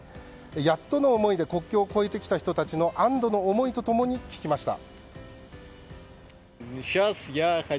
やっとの思いで国境を越えてきた人たちの安堵の思いと共に聞きました。